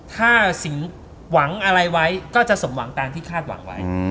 ถ้าสิงห์หวังอะไรไว้ก็จะสมหวังตามที่คาดหวังไว้